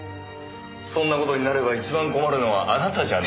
そんな事になれば一番困るのはあなたじゃ。